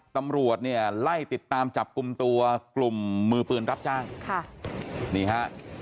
ตำรวจเนี่ยไล่ติดตามจับกลุ่มตัวกลุ่มมือปืนรับจ้างค่ะนี่ฮะ